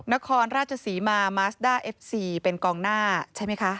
นครราชศรีมามาสด้าเอฟซีเป็นกองหน้าใช่ไหมคะ